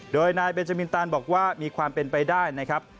โดยนายเบนจามินตันบอกว่ามีความเป็นไปได้นะครับ